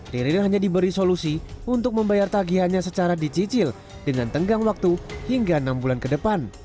riril hanya diberi solusi untuk membayar tagihannya secara dicicil dengan tenggang waktu hingga enam bulan ke depan